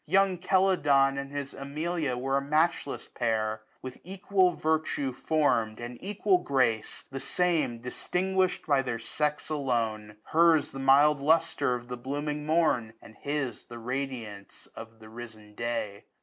Young Celadon And his Amelia were a matchless pair ; With equal virtue form'd, and equal grace. The same, distinguish'd by their sex alone : Her*8 the mild lustre of the blooming mom, 11 75 And his the radiance of the risen day.